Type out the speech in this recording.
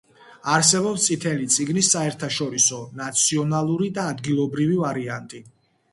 არსებობს წითელი წიგნის საერთაშორისო, ნაციონალური და ადგილობრივი ვარიანტი.